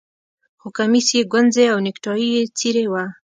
خو کمیس یې ګونځې او نیکټايي یې څیرې وه